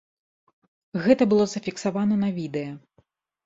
Гэта было зафіксавана на відэа.